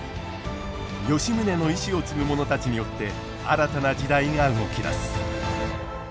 吉宗の遺志を継ぐ者たちによって新たな時代が動き出す。